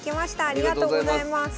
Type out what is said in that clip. ありがとうございます。